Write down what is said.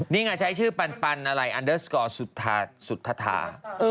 นี่ไงใช้ชื่อปันอะไรอันเดอร์สกอร์สุธธา